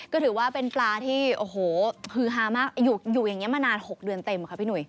ก็ถือว่าเป็นปลาที่อยู่อย่างนี้มานาน๖เดือนเต็มครับพี่หนุ่ย